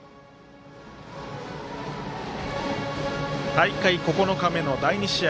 大会９日目の第２試合。